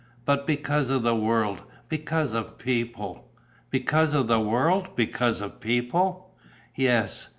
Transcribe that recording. But because of the world, because of people." "Because of the world? Because of people?" "Yes.